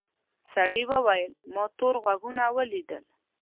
سړي وویل ما تور غوږونه ولیدل.